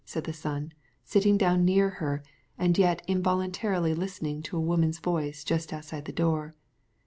said her son, sitting down beside her, and involuntarily listening to a woman's voice outside the door.